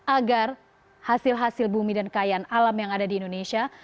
agar hasil hasil bumi dan kekayaan alam yang ada di indonesia